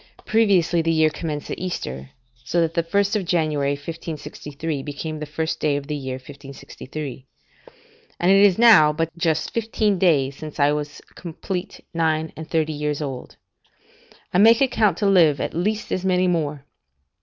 Previously the year commenced at Easter, so that the 1st January 1563 became the first day of the year 1563.] and it is now but just fifteen days since I was complete nine and thirty years old; I make account to live, at least, as many more.